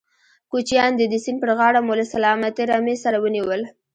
کوچيان دي، د سيند پر غاړه مو له سلامتې رمې سره ونيول.